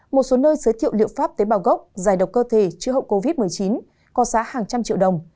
một số nơi giới thiệu liệu pháp tế bào gốc giải độc cơ thể chữa hậu covid một mươi chín có giá hàng trăm triệu đồng